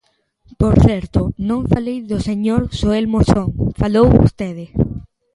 Por certo, non falei do señor Xoel Moxón, falou vostede.